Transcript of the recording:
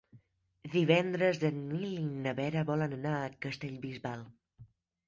Divendres en Nil i na Vera volen anar a Castellbisbal.